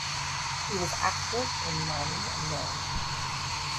He was active in mining and milling.